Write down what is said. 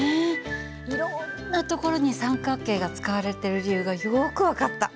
いろんなところに三角形が使われてる理由がよく分かった。